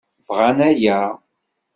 Bɣan aya.